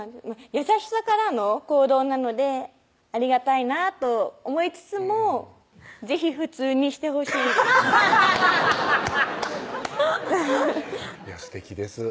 優しさからの行動なのでありがたいなと思いつつも是非普通にしてほしいすてきです